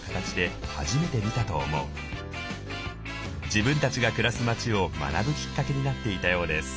自分たちが暮らす町を学ぶきっかけになっていたようです。